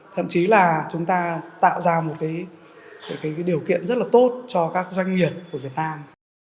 thậm chí là chúng ta tạo ra một điều kiện rất là tốt cho các doanh nghiệp của việt nam